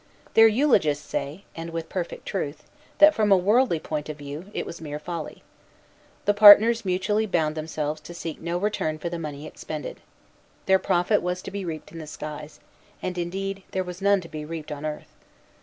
Their eulogists say, and with perfect truth, that, from a worldly point of view, it was mere folly. The partners mutually bound themselves to seek no return for the money expended. Their profit was to be reaped in the skies: and, indeed, there was none to be reaped on earth.